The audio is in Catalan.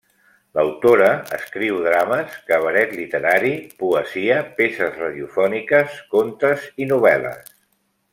L'autora escriu drames, cabaret literari, poesia, peces radiofòniques, contes i novel·les.